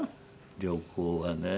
旅行はねえ